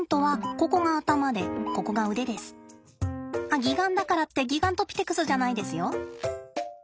あっ擬岩だからってギガントピテクスじゃないですよ。